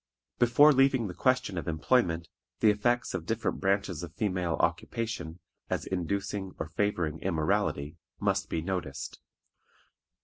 Before leaving the question of employment, the effects of different branches of female occupation, as inducing or favoring immorality, must be noticed.